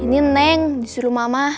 ini nenk disuruh mama